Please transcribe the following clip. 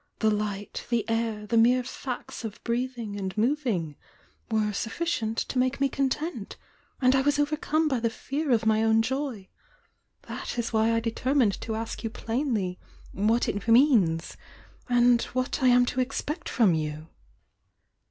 — the light, the air, the mere facts of breathing and moving were suflBcient to make me content! — and I was overcome by the fear of my own joy! That is why I determined to ask you plainly what it means, and what I am to expect from you!"